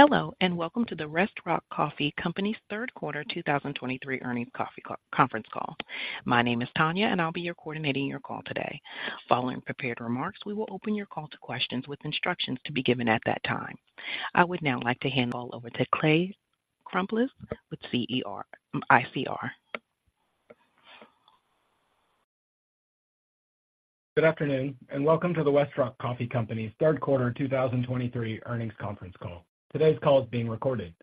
Hello, and welcome to the Westrock Coffee Company's third quarter 2023 earnings coffee call - conference call. My name is Tanya, and I'll be coordinating your call today. Following prepared remarks, we will open your call to questions with instructions to be given at that time. I would now like to hand all over to Clay Crumbliss with ICR. Good afternoon, and welcome to the Westrock Coffee Company's third quarter 2023 earnings conference call. Today's call is being recorded.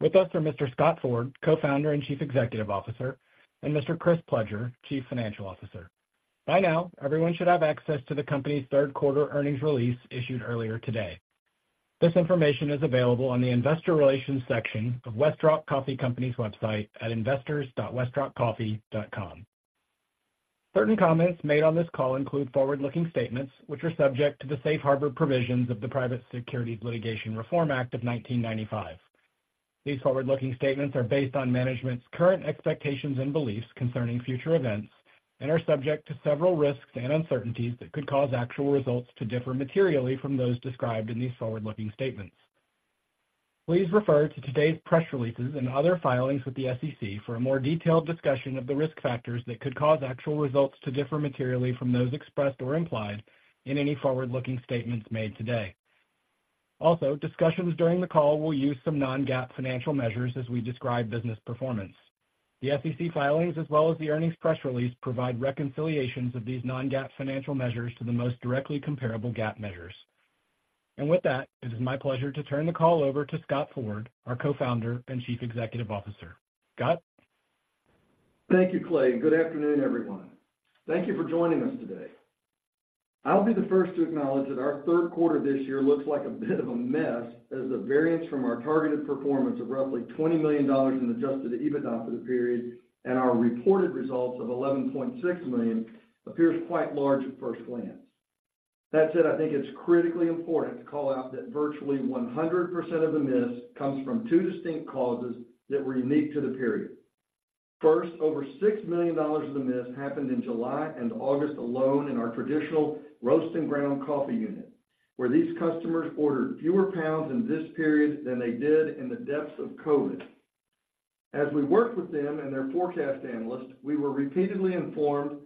With us are Mr. Scott Ford, Co-founder and Chief Executive Officer, and Mr. Chris Pledger, Chief Financial Officer. By now, everyone should have access to the company's third quarter earnings release issued earlier today. This information is available on the investor relations section of Westrock Coffee Company's website at investors.westrockcoffee.com. Certain comments made on this call include forward-looking statements, which are subject to the safe harbor provisions of the Private Securities Litigation Reform Act of 1995. These forward-looking statements are based on management's current expectations and beliefs concerning future events, and are subject to several risks and uncertainties that could cause actual results to differ materially from those described in these forward-looking statements. Please refer to today's press releases and other filings with the SEC for a more detailed discussion of the risk factors that could cause actual results to differ materially from those expressed or implied in any forward-looking statements made today. Also, discussions during the call will use some non-GAAP financial measures as we describe business performance. The SEC filings, as well as the earnings press release, provide reconciliations of these non-GAAP financial measures to the most directly comparable GAAP measures. With that, it is my pleasure to turn the call over to Scott Ford, our Co-founder and Chief Executive Officer. Scott? Thank you, Clay, good afternoon, everyone. Thank you for joining us today. I'll be the first to acknowledge that our third quarter this year looks like a bit of a mess, as the variance from our targeted performance of roughly $20 million in Adjusted EBITDA for the period, and our reported results of $11.6 million appears quite large at first glance. That said, I think it's critically important to call out that virtually 100% of the miss comes from two distinct causes that were unique to the period. First, over $6 million of the miss happened in July and August alone in our traditional roast and ground coffee unit, where these customers ordered fewer pounds in this period than they did in the depths of COVID. As we worked with them and their forecast analyst, we were repeatedly informed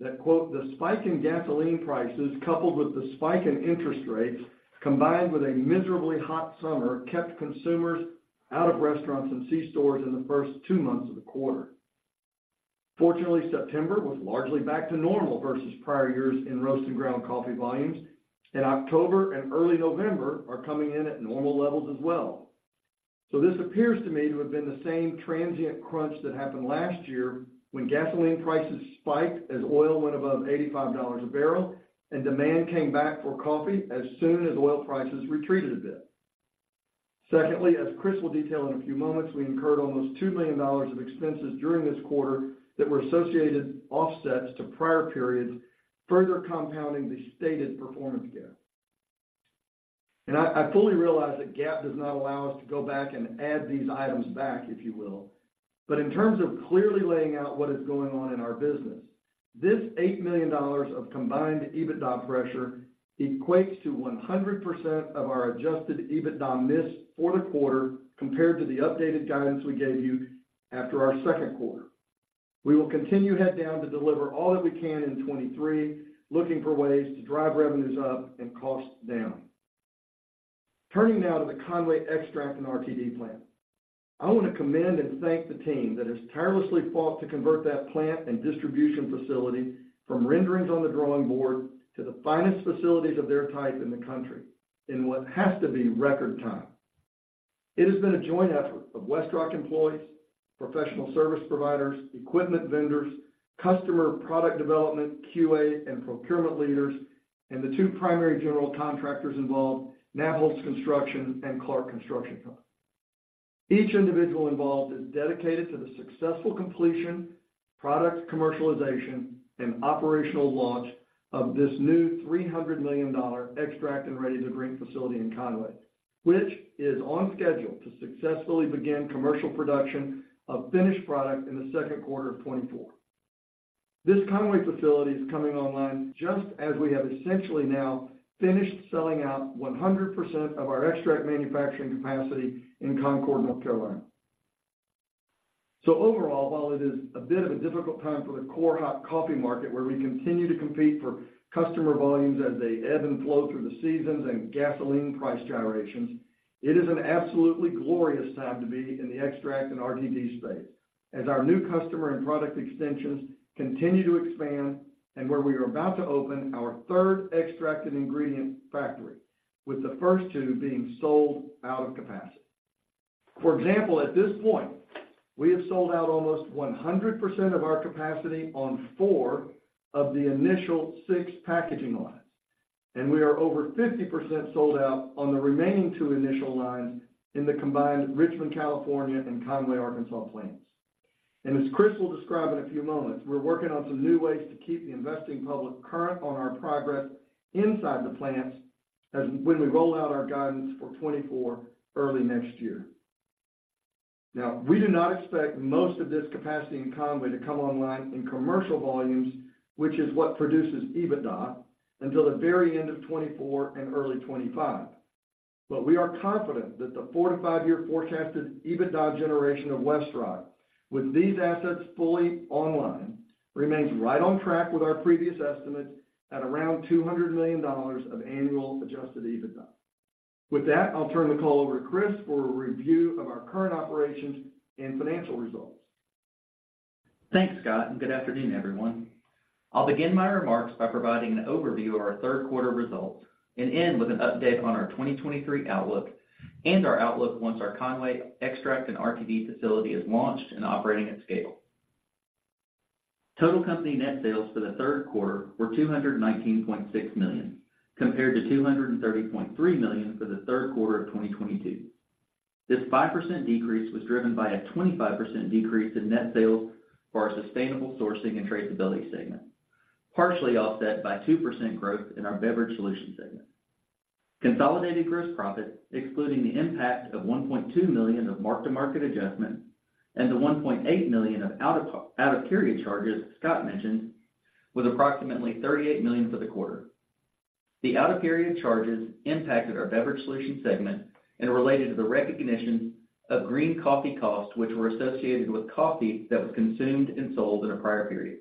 that, quote, "The spike in gasoline prices, coupled with the spike in interest rates, combined with a miserably hot summer, kept consumers out of restaurants and C-stores in the first two months of the quarter." Fortunately, September was largely back to normal versus prior years in roast and ground coffee volumes, and October and early November are coming in at normal levels as well. So this appears to me to have been the same transient crunch that happened last year when gasoline prices spiked as oil went above $85 a barrel, and demand came back for coffee as soon as oil prices retreated a bit. Secondly, as Chris will detail in a few moments, we incurred almost $2 million of expenses during this quarter that were associated offsets to prior periods, further compounding the stated performance gap. And I, I fully realize that GAAP does not allow us to go back and add these items back, if you will. But in terms of clearly laying out what is going on in our business, this $8 million of combined EBITDA pressure equates to 100% of our adjusted EBITDA miss for the quarter, compared to the updated guidance we gave you after our second quarter. We will continue head down to deliver all that we can in 2023, looking for ways to drive revenues up and costs down. Turning now to the Conway extract and RTD plant. I want to commend and thank the team that has tirelessly fought to convert that plant and distribution facility from renderings on the drawing board to the finest facilities of their type in the country, in what has to be record time. It has been a joint effort of Westrock employees, professional service providers, equipment vendors, customer product development, QA, and procurement leaders, and the two primary general contractors involved, Nabholz Construction and Clark Construction Company. Each individual involved is dedicated to the successful completion, product commercialization, and operational launch of this new $300 million extract and ready-to-drink facility in Conway, which is on schedule to successfully begin commercial production of finished product in the second quarter of 2024. This Conway facility is coming online just as we have essentially now finished selling out 100% of our extract manufacturing capacity in Concord, North Carolina. So overall, while it is a bit of a difficult time for the core hot coffee market, where we continue to compete for customer volumes as they ebb and flow through the seasons and gasoline price gyrations, it is an absolutely glorious time to be in the extract and RTD space, as our new customer and product extensions continue to expand, and where we are about to open our third extracted ingredient factory, with the first two being sold out of capacity. For example, at this point, we have sold out almost 100% of our capacity on four of the initial six packaging lines, and we are over 50% sold out on the remaining two initial lines in the combined Richmond, California, and Conway, Arkansas, plants. As Chris will describe in a few moments, we're working on some new ways to keep the investing public current on our progress inside the plants as when we roll out our guidance for 2024 early next year... Now, we do not expect most of this capacity in Conway to come online in commercial volumes, which is what produces EBITDA, until the very end of 2024 and early 2025. But we are confident that the four to fiver year forecasted EBITDA generation of Westrock, with these assets fully online, remains right on track with our previous estimates at around $200 million of annual Adjusted EBITDA. With that, I'll turn the call over to Chris for a review of our current operations and financial results. Thanks, Scott, and good afternoon, everyone. I'll begin my remarks by providing an overview of our third quarter results and end with an update on our 2023 outlook and our outlook once our Conway extract and RTD facility is launched and operating at scale. Total company net sales for the third quarter were $219.6 million, compared to $230.3 million for the third quarter of 2022. This 5% decrease was driven by a 25% decrease in net sales for our Sustainable Sourcing and Traceability segment, partially offset by 2% growth in our Beverage Solutions segment. Consolidated gross profit, excluding the impact of $1.2 million of mark-to-market adjustment and the $1.8 million of out of period charges Scott mentioned, was approximately $38 million for the quarter. The out-of-period charges impacted our Beverage Solutions segment and related to the recognition of green coffee costs, which were associated with coffee that was consumed and sold in a prior period.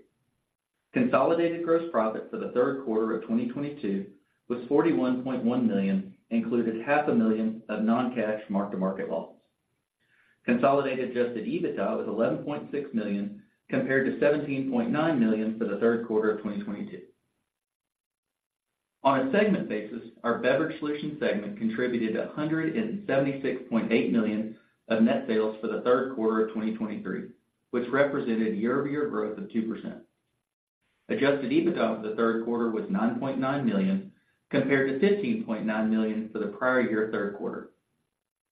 Consolidated gross profit for the third quarter of 2022 was $41.1 million, included $0.5 million of non-cash mark-to-market losses. Consolidated Adjusted EBITDA was $11.6 million, compared to $17.9 million for the third quarter of 2022. On a segment basis, our Beverage Solutions segment contributed $176.8 million of net sales for the third quarter of 2023, which represented year-over-year growth of 2%. Adjusted EBITDA for the third quarter was $9.9 million, compared to $15.9 million for the prior year third quarter.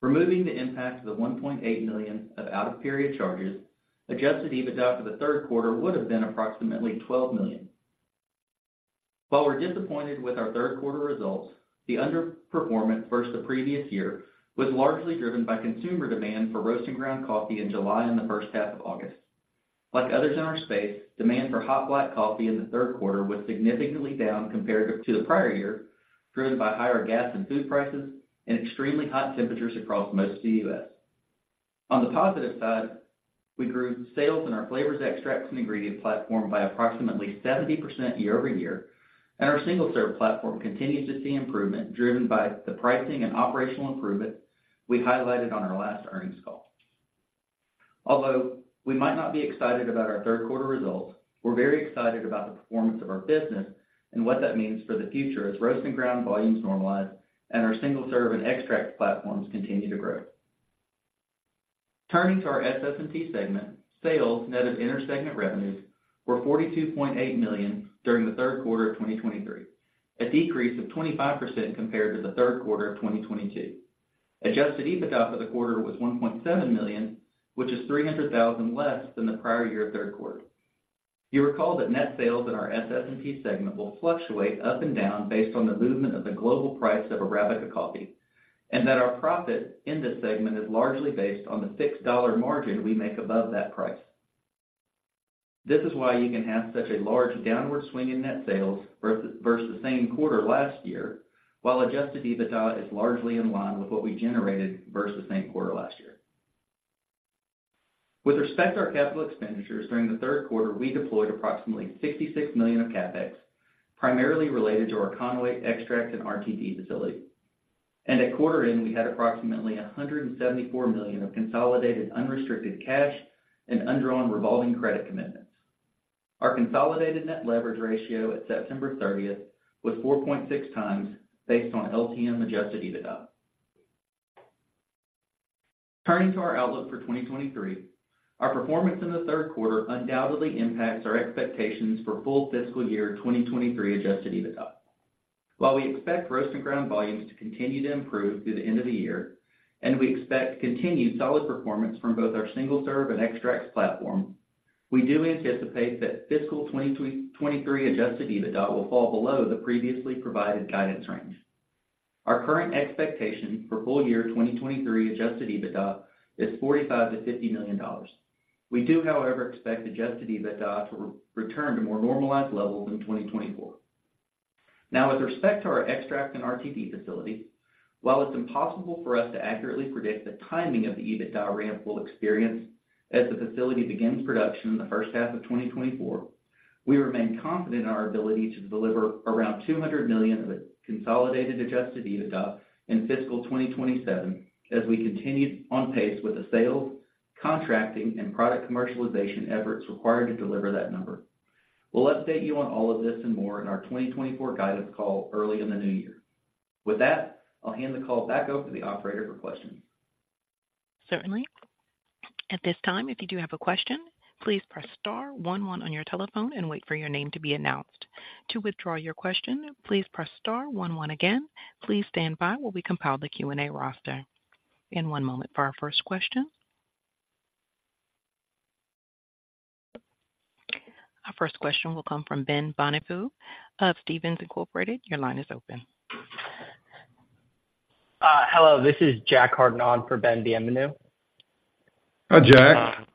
Removing the impact of the $1.8 million of out-of-period charges, adjusted EBITDA for the third quarter would have been approximately $12 million. While we're disappointed with our third quarter results, the underperformance versus the previous year was largely driven by consumer demand for roast and ground coffee in July and the first half of August. Like others in our space, demand for hot black coffee in the third quarter was significantly down compared to the prior year, driven by higher gas and food prices and extremely hot temperatures across most of the U.S. On the positive side, we grew sales in our Flavors, Extracts, and Ingredients platform by approximately 70% year-over-year, and our single-serve platform continues to see improvement, driven by the pricing and operational improvement we highlighted on our last earnings call. Although we might not be excited about our third quarter results, we're very excited about the performance of our business and what that means for the future as roast and ground volumes normalize and our single-serve and extract platforms continue to grow. Turning to our SS&T segment, sales net of inter-segment revenues were $42.8 million during the third quarter of 2023, a decrease of 25% compared to the third quarter of 2022. Adjusted EBITDA for the quarter was $1.7 million, which is $300,000 less than the prior year third quarter. You recall that net sales in our SS&T segment will fluctuate up and down based on the movement of the global price of Arabica coffee, and that our profit in this segment is largely based on the $6 margin we make above that price. This is why you can have such a large downward swing in net sales versus the same quarter last year, while Adjusted EBITDA is largely in line with what we generated versus the same quarter last year. With respect to our capital expenditures during the third quarter, we deployed approximately $66 million of CapEx, primarily related to our Conway extract and RTD facility. At quarter end, we had approximately $174 million of consolidated unrestricted cash and undrawn revolving credit commitments. Our consolidated net leverage ratio at September 30 was 4.6x based on LTM Adjusted EBITDA. Turning to our outlook for 2023, our performance in the third quarter undoubtedly impacts our expectations for full fiscal year 2023 Adjusted EBITDA. While we expect roast and ground volumes to continue to improve through the end of the year, and we expect continued solid performance from both our single-serve and extracts platform, we do anticipate that fiscal 2023 Adjusted EBITDA will fall below the previously provided guidance range. Our current expectation for full year 2023 Adjusted EBITDA is $45 million to $50 million. We do, however, expect Adjusted EBITDA to return to more normalized levels in 2024. Now, with respect to our extract and RTD facility, while it's impossible for us to accurately predict the timing of the EBITDA ramp we'll experience as the facility begins production in the first half of 2024, we remain confident in our ability to deliver around $200 million of consolidated Adjusted EBITDA in fiscal 2027 as we continue on pace with the sales, contracting, and product commercialization efforts required to deliver that number. We'll update you on all of this and more in our 2024 guidance call early in the new year. With that, I'll hand the call back over to the operator for questions. Certainly. At this time, if you do have a question, please press star one one on your telephone and wait for your name to be announced. To withdraw your question, please press star one one again. Please stand by while we compile the Q&A roster. In one moment for our first question. Our first question will come from Ben Bienvenu of Stephens Incorporated. Your line is open. Hello, this is Jack Hardin on for Ben Bienvenu. Hi, Jack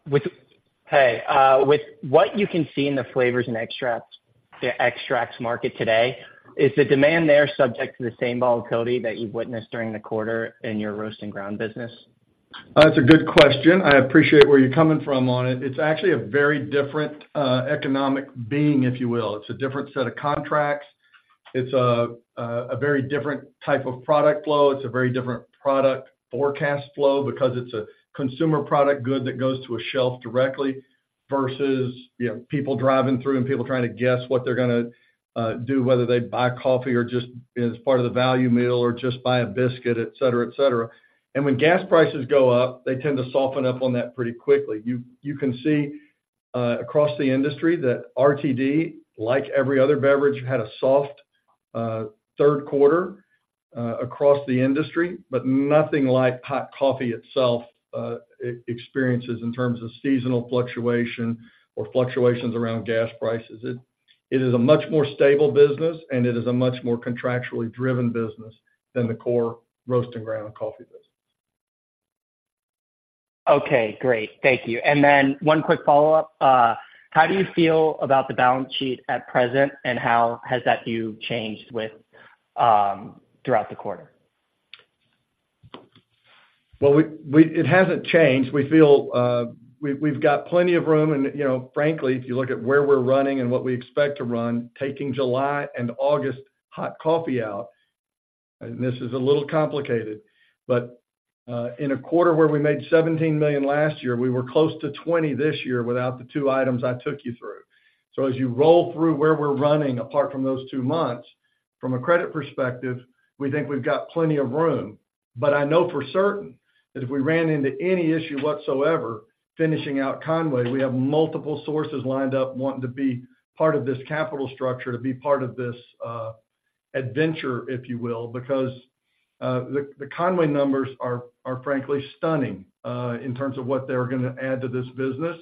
Hey, with what you can see in the flavors and extracts, the extracts market today, is the demand there subject to the same volatility that you've witnessed during the quarter in your roast and ground business? That's a good question. I appreciate where you're coming from on it. It's actually a very different economic being, if you will. It's a different set of contracts. It's a very different type of product flow. It's a very different product forecast flow because it's a consumer product good that goes to a shelf directly versus, you know, people driving through and people trying to guess what they're gonna do, whether they buy coffee or just as part of the value meal or just buy a biscuit, etc. etc. When gas prices go up, they tend to soften up on that pretty quickly. You, you can see across the industry that RTD, like every other beverage, had a soft third quarter across the industry, but nothing like hot coffee itself experiences in terms of seasonal fluctuation or fluctuations around gas prices. It is a much more stable business, and it is a much more contractually driven business than the core roast and ground coffee business. Okay, great. Thank you. One quick follow-up. How do you feel about the balance sheet at present, and how has that view changed throughout the quarter? Well, it hasn't changed. We feel, we've got plenty of room and, you know, frankly, if you look at where we're running and what we expect to run, taking July and August hot coffee out, and this is a little complicated, but in a quarter where we made $17 million last year, we were close to $20 million this year without the two items I took you through. So as you roll through where we're running, apart from those two months, from a credit perspective, we think we've got plenty of room. But I know for certain that if we ran into any issue whatsoever, finishing out Conway, we have multiple sources lined up wanting to be part of this capital structure, to be part of this, adventure, if you will, because, the Conway numbers are frankly stunning, in terms of what they're gonna add to this business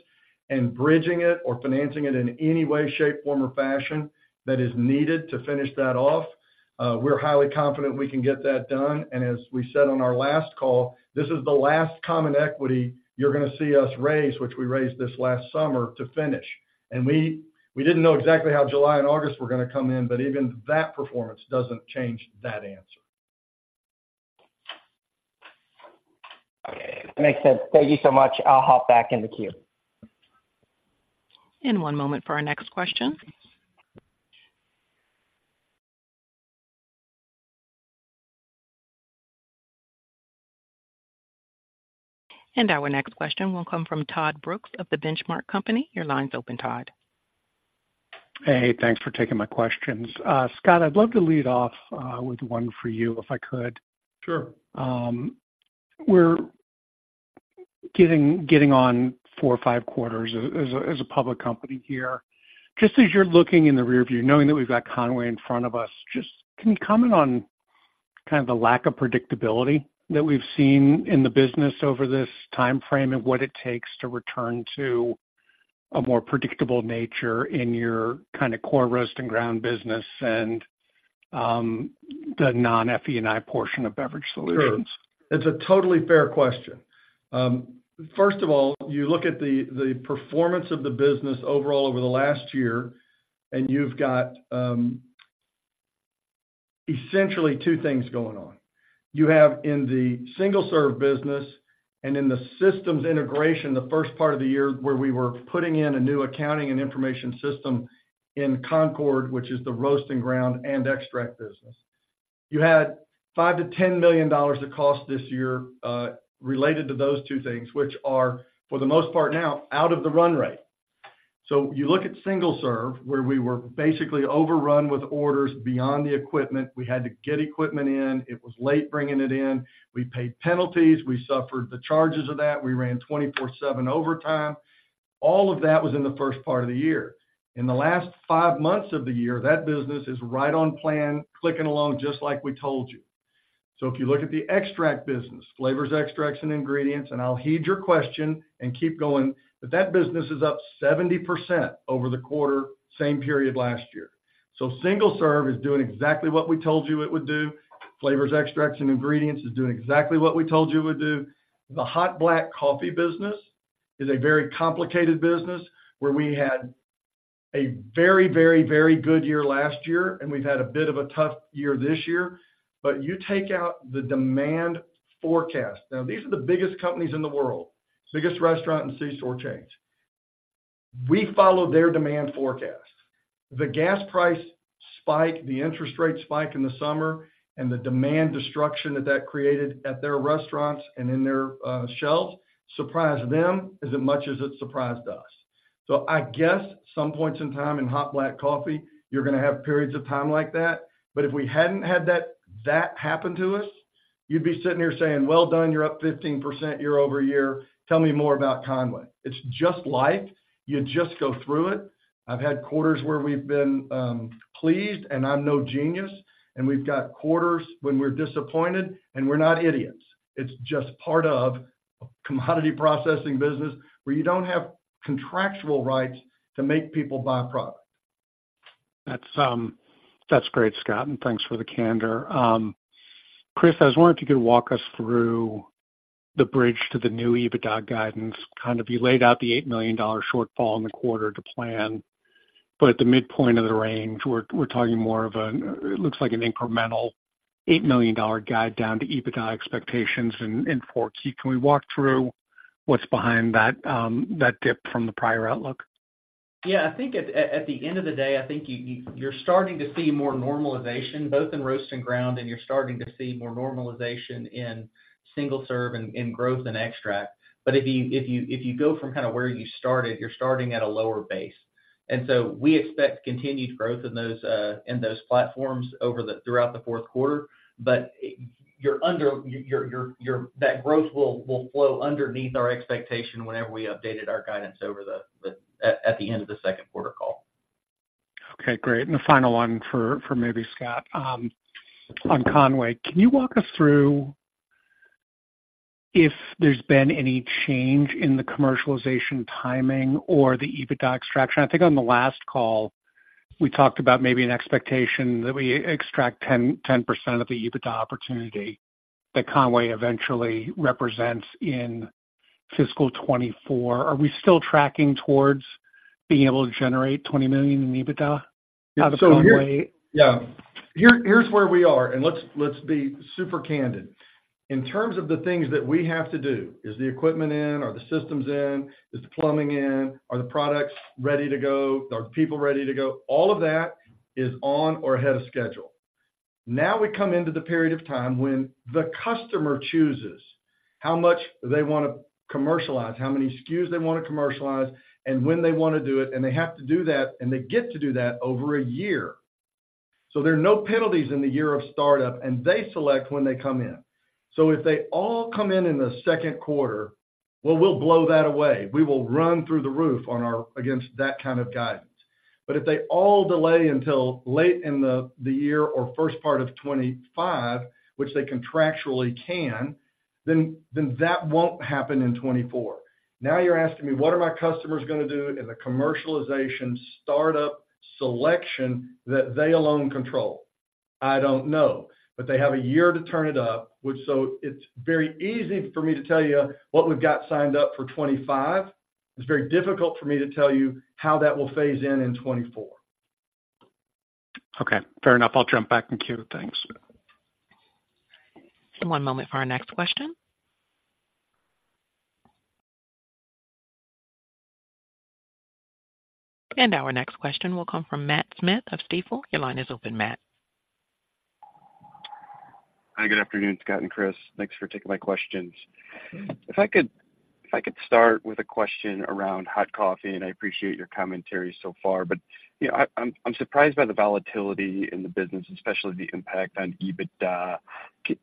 and bridging it or financing it in any way, shape, form, or fashion that is needed to finish that off. We're highly confident we can get that done. And as we said on our last call, this is the last common equity you're gonna see us raise, which we raised this last summer to finish. And we didn't know exactly how July and August were gonna come in, but even that performance doesn't change that answer. Okay, makes sense. Thank you so much. I'll hop back in the queue. One moment for our next question. Our next question will come from Todd Brooks of The Benchmark Company. Your line's open, Todd. Hey, thanks for taking my questions. Scott, I'd love to lead off with one for you, if I could. Sure. We're getting on four or five quarters as a public company here. Just as you're looking in the rearview, knowing that we've got Conway in front of us, just can you comment on kind of the lack of predictability that we've seen in the business over this time frame, and what it takes to return to a more predictable nature in your kind of core roast and ground business and the non FE&I portion of Beverage Solutions? Sure. It's a totally fair question. First of all, you look at the performance of the business overall over the last year, and you've got essentially two things going on. You have in the single-serve business and in the systems integration, the first part of the year, where we were putting in a new accounting and information system in Concord, which is the roast and ground and extract business. You had $5 to $10 million of cost this year related to those two things, which are, for the most part, now out of the run rate. So you look at single-serve, where we were basically overrun with orders beyond the equipment. We had to get equipment in. It was late bringing it in. We paid penalties. We suffered the charges of that. We ran 24/7 overtime. All of that was in the first part of the year. In the last five months of the year, that business is right on plan, clicking along, just like we told you. So if you look at the extract business, flavors, extracts, and ingredients, and I'll heed your question and keep going, but that business is up 70% over the quarter, same period last year. So single-serve is doing exactly what we told you it would do. Flavors, extracts, and ingredients is doing exactly what we told you it would do. The hot black coffee business is a very complicated business, where we had a very, very, very good year last year, and we've had a bit of a tough year this year. But you take out the demand forecast. Now, these are the biggest companies in the world, biggest restaurant and C-store chains. We follow their demand forecast. The gas price spike, the interest rate spike in the summer, and the demand destruction that that created at their restaurants and in their shelves, surprised them as much as it surprised us. So I guess some points in time in hot black coffee, you're gonna have periods of time like that. But if we hadn't had that, that happen to us, you'd be sitting here saying, "Well done, you're up 15% year-over-year. Tell me more about Conway." It's just life. You just go through it. I've had quarters where we've been pleased, and I'm no genius, and we've got quarters when we're disappointed, and we're not idiots. It's just part of commodity processing business, where you don't have contractual rights to make people buy product. That's great, Scott, and thanks for the candor. Chris, I was wondering if you could walk us through the bridge to the new EBITDA guidance. Kind of you laid out the $8 million shortfall in the quarter to plan, but at the midpoint of the range, we're talking more of a, it looks like an incremental $8 million guide down to EBITDA expectations in FY. Can we walk through what's behind that, that dip from the prior outlook? Yeah, I think at the end of the day, I think you're starting to see more normalization, both in roast and ground, and you're starting to see more normalization in single serve and in growth and extract. But if you go from kind of where you started, you're starting at a lower base. And so we expect continued growth in those platforms throughout the fourth quarter. But that growth will flow underneath our expectation whenever we updated our guidance at the end of the second quarter call. Okay, great. And the final one for maybe Scott. On Conway, can you walk us through if there's been any change in the commercialization timing or the EBITDA extraction? I think on the last call, we talked about maybe an expectation that we extract 10% of the EBITDA opportunity that Conway eventually represents in fiscal 2024. Are we still tracking towards being able to generate $20 million in EBITDA out of Conway? Yeah. Here, here's where we are, and let's, let's be super candid. In terms of the things that we have to do, is the equipment in? Are the systems in? Is the plumbing in? Are the products ready to go? Are people ready to go? All of that is on or ahead of schedule. Now, we come into the period of time when the customer chooses how much they wanna commercialize, how many SKUs they wanna commercialize, and when they wanna do it, and they have to do that, and they get to do that over a year. So there are no penalties in the year of startup, and they select when they come in. So if they all come in in the second quarter, well, we'll blow that away. We will run through the roof on our- against that kind of guidance. But if they all delay until late in the year or first part of 2025, which they contractually can, then that won't happen in 2024. Now, you're asking me, what are my customers gonna do in the commercialization startup selection that they alone control? I don't know, but they have a year to turn it up, which so it's very easy for me to tell you what we've got signed up for 2025. It's very difficult for me to tell you how that will phase in in 2024. Okay, fair enough. I'll jump back in queue. Thanks. One moment for our next question. Our next question will come from Matt Smith of Stifel. Your line is open, Matt. Hi, good afternoon, Scott and Chris. Thanks for taking my questions. If I could start with a question around hot coffee, and I appreciate your commentary so far, but, you know, I'm surprised by the volatility in the business, especially the impact on EBITDA.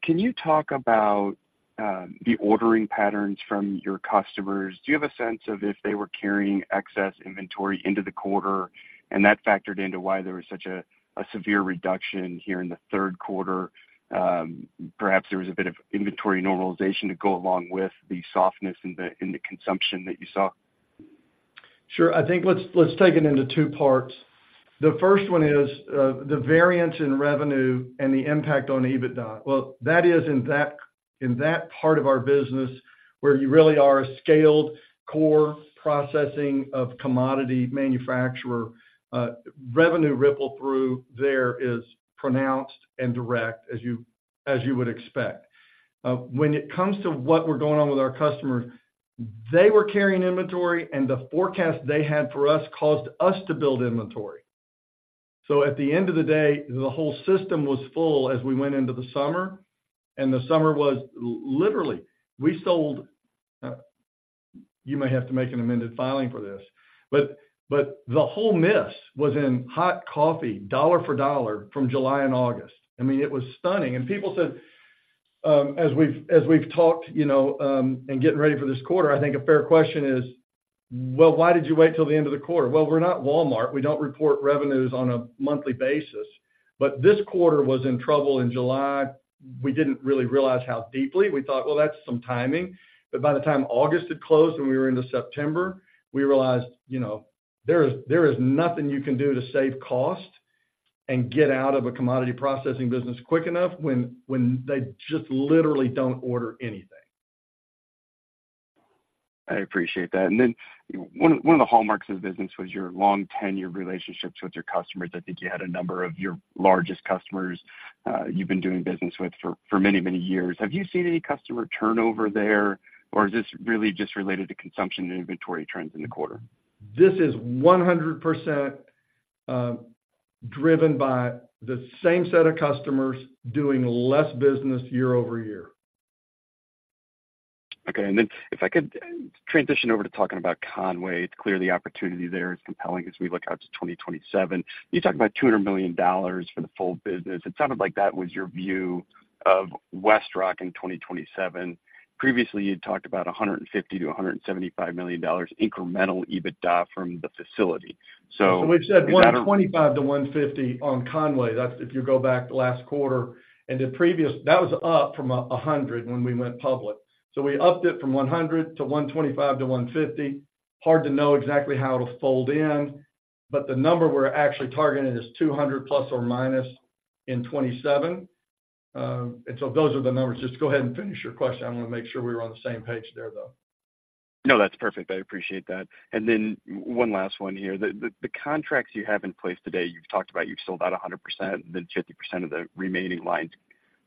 Can you talk about the ordering patterns from your customers? Do you have a sense of if they were carrying excess inventory into the quarter, and that factored into why there was such a severe reduction here in the third quarter? Perhaps there was a bit of inventory normalization to go along with the softness in the consumption that you saw. Sure. I think let's take it into two parts. The first one is the variance in revenue and the impact on EBITDA. Well, that is in that part of our business, where you really are a scaled core processing of commodity manufacturer, revenue ripple through there is pronounced and direct as you would expect. When it comes on with our customers, they were carrying inventory, and the forecast they had for us caused us to build inventory. So at the end of the day, the whole system was full as we went into the summer, and the summer was literally... We sold, you may have to make an amended filing for this, but the whole miss was in hot coffee, dollar for dollar, from July and August. I mean, it was stunning. People said, as we've talked, you know, in getting ready for this quarter, I think a fair question is, "Well, why did you wait till the end of the quarter?" Well, we're not Walmart. We don't report revenues on a monthly basis. But this quarter was in trouble in July. We didn't really realize how deeply. We thought, well, that's some timing. But by the time August had closed and we were into September, we realized, you know, there is nothing you can do to save cost and get out of a commodity processing business quick enough when they just literally don't order anything. I appreciate that. Then one of the hallmarks of the business was your long tenure relationships with your customers. I think you had a number of your largest customers, you've been doing business with for many, many years. Have you seen any customer turnover there, or is this really just related to consumption and inventory trends in the quarter? This is 100%, driven by the same set of customers doing less business year over year. Okay. Then if I could transition over to talking about Conway, it's clear the opportunity there is compelling as we look out to 2027. You talked about $200 million for the full business. It sounded like that was your view of Westrock in 2027. Previously, you talked about $150 million to $175 million incremental EBITDA from the facility. So- So we've said $125 to $150 on Conway. That's if you go back last quarter, and the previous—that was up from a $100 when we went public. So we upped it from $100 to $125 to $150. Hard to know exactly how it'll fold in. But the number we're actually targeting is $200 ± in 2027. And so those are the numbers. Just go ahead and finish your question. I wanna make sure we're on the same page there, though. No, that's perfect. I appreciate that. And then one last one here. The contracts you have in place today, you've talked about you've sold out 100%, then 50% of the remaining lines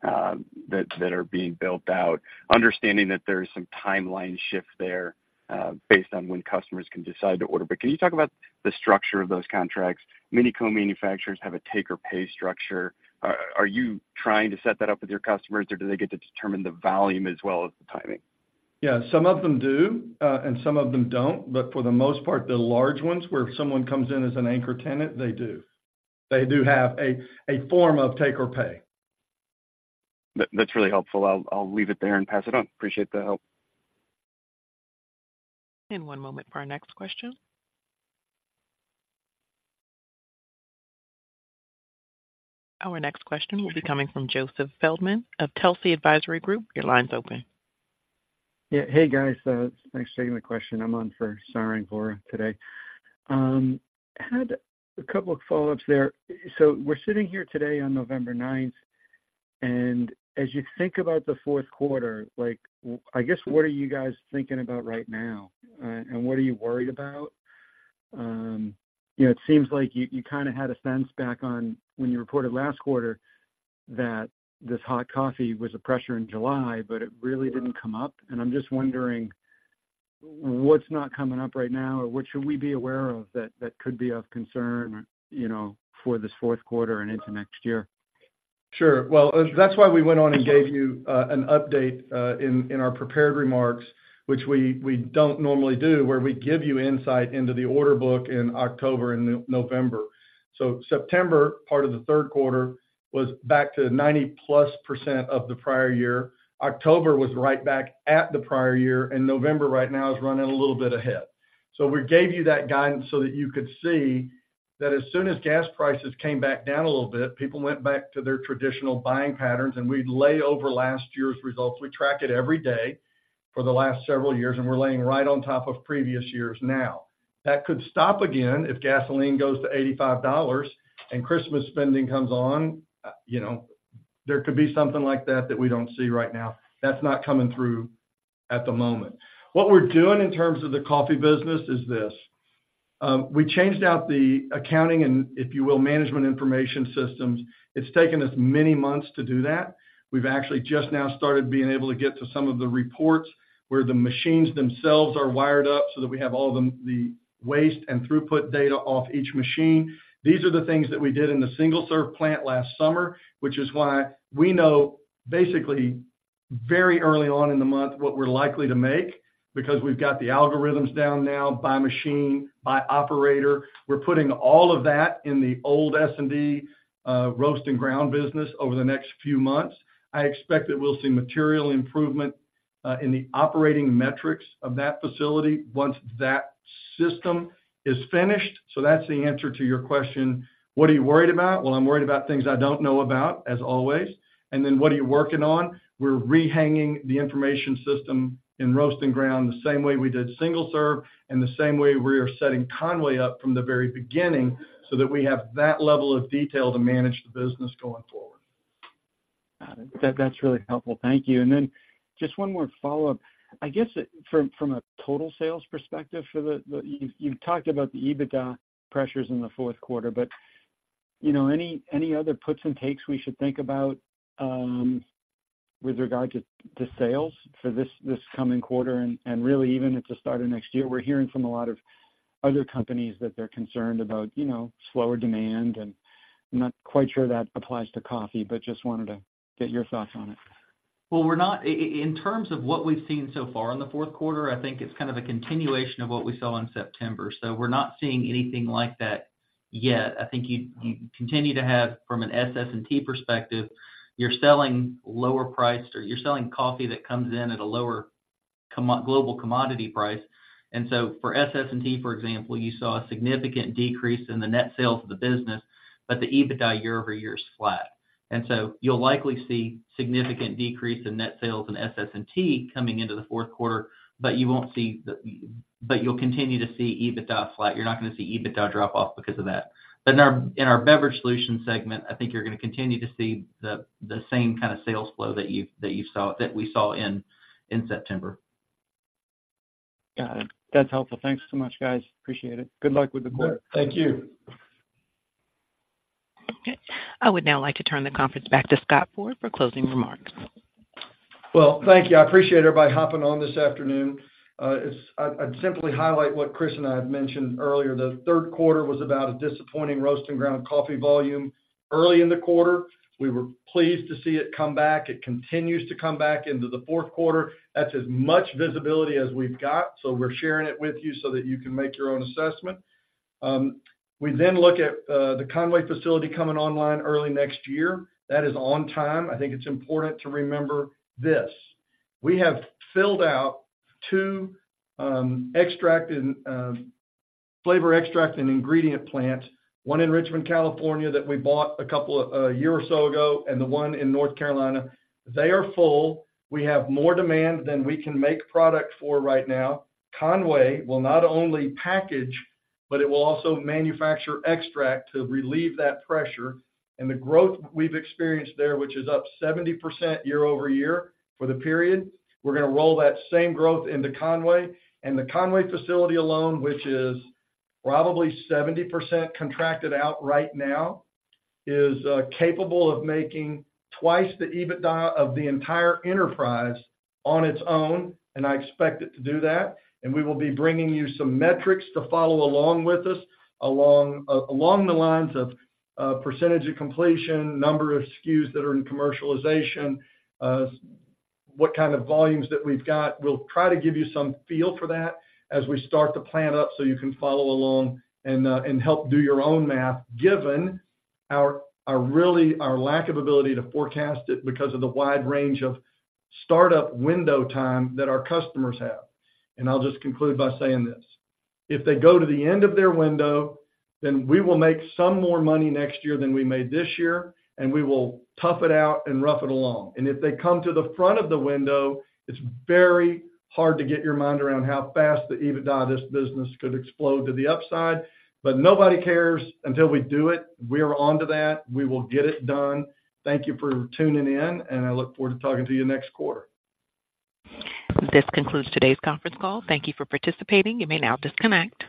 that are being built out, understanding that there is some timeline shift there based on when customers can decide to order. But can you talk about the structure of those contracts? Many co-manufacturers have a take-or-pay structure. Are you trying to set that up with your customers, or do they get to determine the volume as well as the timing? Yeah, some of them do, and some of them don't. But for the most part, the large ones, where someone comes in as an anchor tenant, they do. They do have a form of take or pay. That's really helpful. I'll leave it there and pass it on. Appreciate the help. One moment for our next question. Our next question will be coming from Joseph Feldman of Telsey Advisory Group. Your line's open. Yeah. Hey, guys, thanks for taking the question. I'm on for Sarang Vora today. Had a couple of follow-ups there. So we're sitting here today on November ninth, and as you think about the fourth quarter, like, I guess, what are you guys thinking about right now? And what are you worried about? You know, it seems like you, you kind of had a sense back on when you reported last quarter, that this hot coffee was a pressure in July, but it really didn't come up. And I'm just wondering, what's not coming up right now, or what should we be aware of that, that could be of concern, you know, for this fourth quarter and into next year? Sure. Well, that's why we went on and gave you an update in our prepared remarks, which we don't normally do, where we give you insight into the order book in October and November. So September, part of the third quarter, was back to 90%+ of the prior year. October was right back at the prior year, and November right now is running a little bit ahead. So we gave you that guidance so that you could see that as soon as gas prices came back down a little bit, people went back to their traditional buying patterns, and we'd lay over last year's results. We track it every day for the last several years, and we're laying right on top of previous years now. That could stop again if gasoline goes to $85 and Christmas spending comes on. You know, there could be something like that that we don't see right now. That's not coming through at the moment. What we're doing in terms of the coffee business is this: we changed out the accounting and, if you will, management information systems. It's taken us many months to do that. We've actually just now started being able to get to some of the reports where the machines themselves are wired up so that we have all of them, the waste and throughput data off each machine. These are the things that we did in the single-serve plant last summer, which is why we know basically, very early on in the month, what we're likely to make, because we've got the algorithms down now by machine, by operator. We're putting all of that in the old S&D, roast and ground business over the next few months. I expect that we'll see material improvement in the operating metrics of that facility once that system is finished. So that's the answer to your question: what are you worried about? Well, I'm worried about things I don't know about, as always. And then, what are you working on? We're rehanging the information system in roast and ground, the same way we did single-serve, and the same way we are setting Conway up from the very beginning, so that we have that level of detail to manage the business going forward. Got it. That's really helpful. Thank you. And then just one more follow-up. I guess, from a total sales perspective for the you've talked about the EBITDA pressures in the fourth quarter, but, you know, any other puts and takes we should think about, with regard to sales for this coming quarter and really even at the start of next year? We're hearing from a lot of other companies that they're concerned about, you know, slower demand, and I'm not quite sure that applies to coffee, but just wanted to get your thoughts on it. Well, we're not in terms of what we've seen so far in the fourth quarter, I think it's kind of a continuation of what we saw in September. So we're not seeing anything like that yet. I think you continue to have, from an SS&T perspective, you're selling lower priced or you're selling coffee that comes in at a lower global commodity price. And so for SS&T, for example, you saw a significant decrease in the net sales of the business, but the EBITDA year over year is flat. And so you'll likely see significant decrease in net sales in SS&T coming into the fourth quarter, but you won't see but you'll continue to see EBITDA flat. You're not going to see EBITDA drop off because of that. But in our Beverage Solutions segment, I think you're going to continue to see the same kind of sales flow that you saw, that we saw in September. Got it. That's helpful. Thanks so much, guys. Appreciate it. Good luck with the quarter. Thank you. Okay, I would now like to turn the conference back to Scott Ford for closing remarks. Well, thank you. I appreciate everybody hopping on this afternoon. It's. I'd simply highlight what Chris and I had mentioned earlier. The third quarter was about a disappointing roast and ground coffee volume early in the quarter. We were pleased to see it come back. It continues to come back into the fourth quarter. That's as much visibility as we've got, so we're sharing it with you so that you can make your own assessment. We then look at the Conway facility coming online early next year. That is on time. I think it's important to remember this: we have filled out two extract and flavor extract and ingredient plant, one in Richmond, California, that we bought a couple a year or so ago, and the one in North Carolina. They are full. We have more demand than we can make product for right now. Conway will not only package, but it will also manufacture extract to relieve that pressure. The growth we've experienced there, which is up 70% year-over-year for the period, we're gonna roll that same growth into Conway. The Conway facility alone, which is probably 70% contracted out right now, is capable of making twice the EBITDA of the entire enterprise on its own, and I expect it to do that. We will be bringing you some metrics to follow along with us, along the lines of percentage of completion, number of SKUs that are in commercialization, what kind of volumes that we've got. We'll try to give you some feel for that as we start the plan up, so you can follow along and help do your own math, given our really lack of ability to forecast it because of the wide range of startup window time that our customers have. I'll just conclude by saying this: If they go to the end of their window, then we will make some more money next year than we made this year, and we will tough it out and rough it along. If they come to the front of the window, it's very hard to get your mind around how fast the EBITDA of this business could explode to the upside, but nobody cares until we do it. We are on to that. We will get it done. Thank you for tuning in, and I look forward to talking to you next quarter. This concludes today's conference call. Thank you for participating. You may now disconnect.